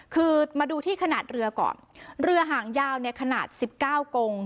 คือมาดูที่ขนาดเรือก่อนเรือหางยาวเนี่ยขนาดสิบเก้ากง